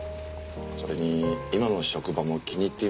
それに今の職場も気に入っています。